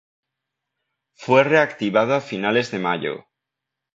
Fue reactivado a finales de mayo.